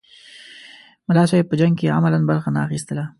ملا صاحب په جنګ کې عملاً برخه نه اخیستله.